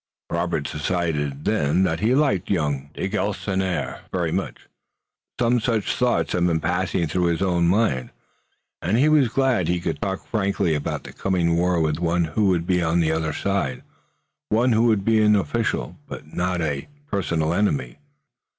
Robert decided then that he liked young de Galisonnière very much. Some such thoughts had been passing through his own mind, and he was glad that he could talk frankly about the coming war with one who would be on the other side, one who would be an official but not a personal enemy.